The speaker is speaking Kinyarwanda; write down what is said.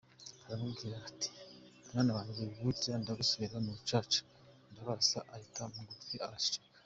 Aramubwira ati “Mwana wanjye, burya ndagosorera mu rucaca!” Ndabarasa arita mu gutwi araceceka.